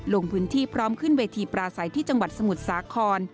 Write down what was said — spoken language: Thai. ลงพื้นที่พร้อมขึ้นเวทีปราศัยที่จังหวัดสมุทรสาคร